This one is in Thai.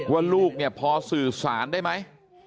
ว่าลูกเนี่ยพอสื่อสารได้ไหม